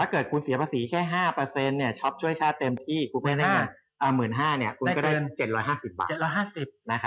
ถ้าเกิดคุณเสียภาษีแค่๕เปอร์เซ็นต์ช็อปช่วยชาติเต็มที่๑๕๐๐๐บาทคุณก็ได้๗๕๐บาท